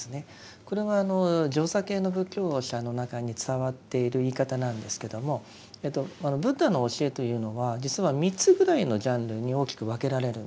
これはあの上座系の仏教者の中に伝わっている言い方なんですけどもブッダの教えというのは実は３つぐらいのジャンルに大きく分けられるんです。